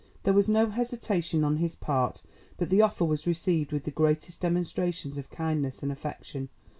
There was no hesitation on his part, but the offer was received with the greatest demonstrations of kindness and affection.